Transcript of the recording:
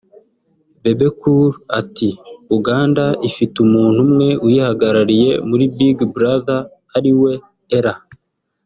Bebe Cool ati “Uganda ifite umuntu umwe uyihagarariye muri Big Brother ari we Ellah